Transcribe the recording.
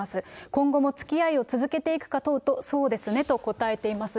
今後もつきあいを続けていくかと問うと、そうですねと答えています。